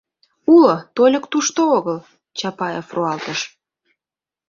— Уло, только тушто огыл, — Чапаев руалтыш.